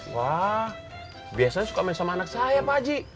wah biasanya suka main sama anak saya pak aji